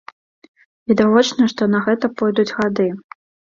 Відавочна, што на гэта пойдуць гады.